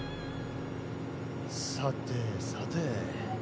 さてさて。